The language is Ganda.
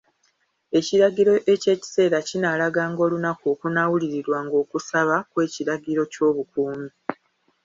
Ekiragiro eky'ekiseera kinaalaganga olunaku okunaawulirirwanga okusaba kw'ekiragiro ky'obukuumi.